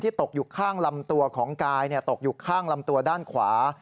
ตกอยู่ข้างลำตัวของกายตกอยู่ข้างลำตัวด้านขวา